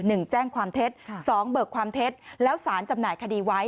แจ้งความเท็จค่ะสองเบิกความเท็จแล้วสารจำหน่ายคดีไว้